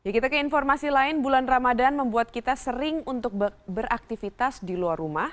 kita ke informasi lain bulan ramadan membuat kita sering untuk beraktivitas di luar rumah